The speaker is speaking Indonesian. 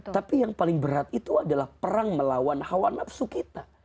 tapi yang paling berat itu adalah perang melawan hawa nafsu kita